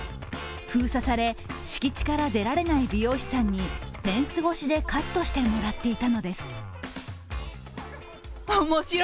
封鎖され、敷地から出られない美容師さんにフェンス越しでカットしてもらっていたのです。